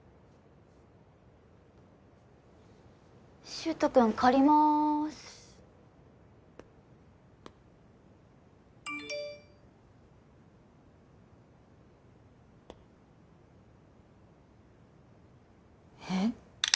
柊人君借りまーすえっ？